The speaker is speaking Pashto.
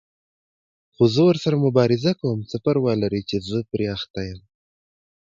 خو زه ورسره مبارزه کوم، څه پروا لري چې زه پرې اخته یم.